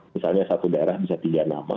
misalnya satu daerah bisa tiga nama